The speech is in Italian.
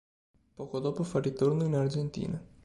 Poco dopo fa ritorno in Argentina.